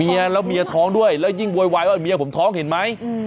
เมียแล้วเมียท้องด้วยแล้วยิ่งโวยวายว่าเมียผมท้องเห็นไหม